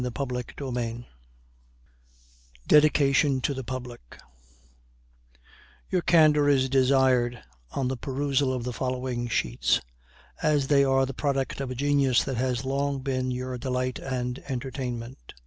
THE JOURNAL OF A VOYAGE TO LISBON DEDICATION TO THE PUBLIC Your candor is desired on the perusal of the following sheets, as they are the product of a genius that has long been your delight and entertainment.